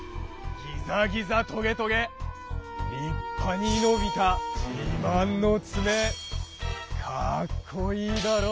ギザギザトゲトゲりっぱにのびたじまんのつめかっこいいだろ？